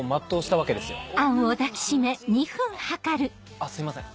あっすいません